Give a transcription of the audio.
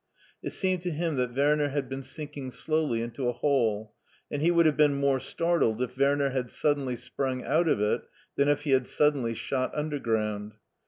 It seemed to him that Werner had been sinking slowly into a hole, and he would have been more startled if Werner had suddenly sprung out of it than if he had suddenly shot undergrotmd.